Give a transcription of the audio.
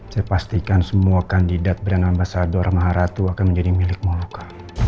saya pastikan semua kandidat brand ambasador maharatu akan menjadi milik maluka